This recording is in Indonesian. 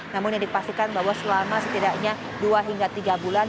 namun yang dipastikan bahwa selama setidaknya dua hingga tiga bulan